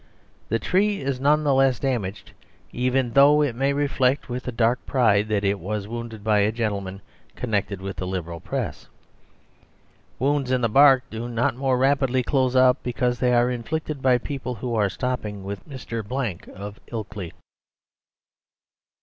The tree is none the less damaged even though it may reflect with a dark pride that it was wounded by a gentleman connected with the Liberal press. Wounds in the bark do not more rapidly close up because they are inflicted by people who are stopping with Mr. Blank of Ilkley.